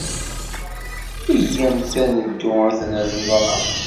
Iyyamt ad neddu ad ten-nẓer.